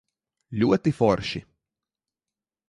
Ļoti forši.